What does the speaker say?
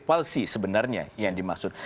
palsi sebenarnya yang dimaksud